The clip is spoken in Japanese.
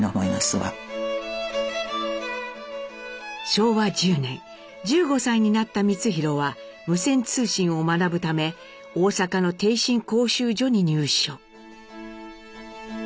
昭和１０年１５歳になった光宏は無線通信を学ぶため大阪の逓信講習所に入所。